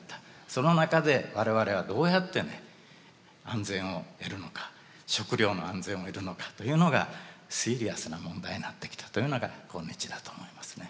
その中で我々はどうやってね安全を得るのか食料の安全を得るのかというのがシリアスな問題になってきたというのが今日だと思いますね。